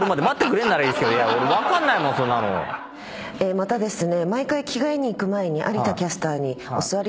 またですね。